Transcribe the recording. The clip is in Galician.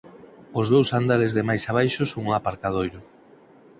Os dous andares de máis abaixo son un aparcadoiro.